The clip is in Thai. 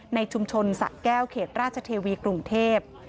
ในชุมชนสะแก้วเขตราชเทวีกรุงเทพ